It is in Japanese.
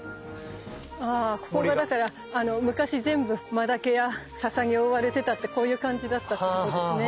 ああここがだから昔全部マダケやササに覆われてたってこういう感じだったってことですね。